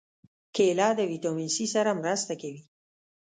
کېله د ویټامین C سره مرسته کوي.